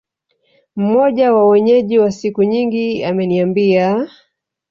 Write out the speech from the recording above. Mmoja wa Wenyeji wa siku nyingi ameniambia